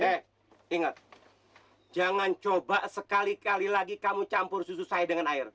eh ingat jangan coba sekali kali lagi kamu campur susu saya dengan air